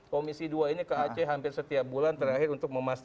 komisi dua ini ke aceh hampir setiap bulan terakhir untuk memastikan